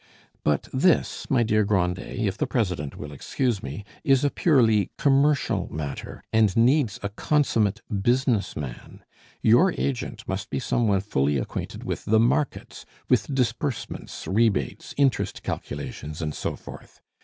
"But this, my dear Grandet, if the president will excuse me, is a purely commercial matter, and needs a consummate business man. Your agent must be some one fully acquainted with the markets, with disbursements, rebates, interest calculations, and so forth.